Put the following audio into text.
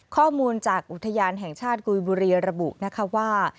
ข้อมูลจากอุทยานแห่งชาติกุยบุรีระบุนะคะว่า